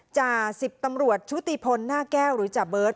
จ่าสิบตำรวจชุติพลหน้าแก้วหรือจ่าเบิร์ต